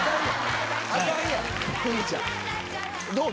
どう？